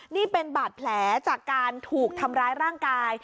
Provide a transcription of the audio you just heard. นี่เป็นบาดแผลจากการถูกทำร้ายร่างกาย